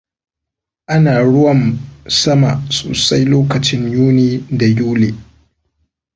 Ana ruwam sama sosai lokacin Yuni da Yuli.